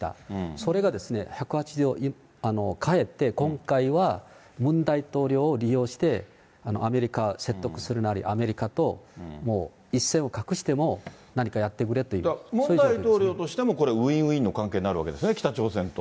それが１８０度変えて、今回はムン大統領を利用して、アメリカ説得するなり、アメリカと一線を画しても何かやってくれという、そムン大統領としてもこれ、ウィンウィンの関係になるわけですよね、北朝鮮と。